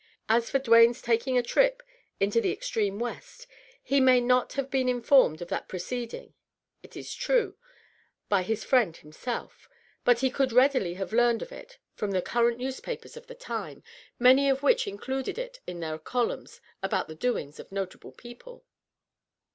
As for Duane's taking a trip into the ex treme West, he may not have been informed of that proceeding, it i^ true, by his friend himself, but he could readily have learned of it from the current newspapers of the time, many of which included it in their columns about the doings of notable people."